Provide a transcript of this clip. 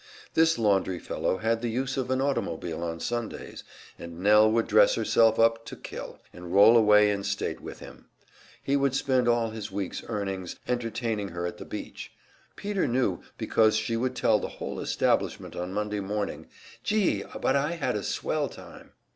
This laundry fellow had the use of an automobile on Sundays, and Nell would dress herself up to kill, and roll away in state with him. He would spend all his week's earnings entertaining her at the beach; Peter knew, because she would tell the whole establishment on Monday morning. "Gee, but I had a swell time!"